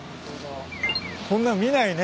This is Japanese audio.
こんなん見ないね。